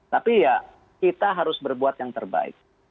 tapi ya kita harus berbuat yang terbaik